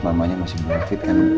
mamanya masih berfit kan